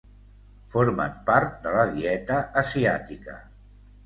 Formen part de la dieta asiàtica.